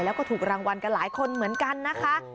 แล้วก็ถูกรางวัลกันหลายคนเหมือนกันนะคะ